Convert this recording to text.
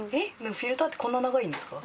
フィルターってこんな長いんですか？